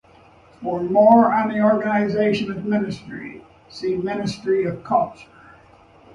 For more on the organization of the Ministry, see Ministry of Culture.